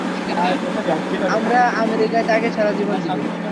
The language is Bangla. আমরা আমেরিকায় তাকে সেরা জীবন দিবো।